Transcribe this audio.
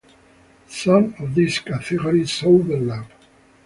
Some of these categories overlap.